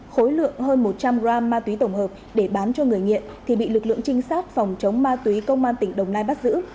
khối lượng hơn một trăm linh gram ma túy tổng hợp để bán cho người nghiện thì bị lực lượng trinh sát phòng chống ma túy công an tỉnh đồng nai bắt giữ